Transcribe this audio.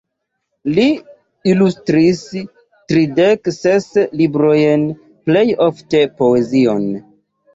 Li ilustris tridek ses librojn, plej ofte poezion.